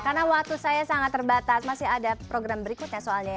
karena waktu saya sangat terbatas masih ada program berikutnya soalnya ya